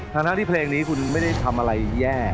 ทั้งที่เพลงนี้คุณไม่ได้ทำอะไรแย่